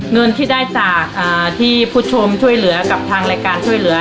เงินที่ได้จากที่ผู้ชมช่วยเหลือกับทางรายการช่วยเหลือ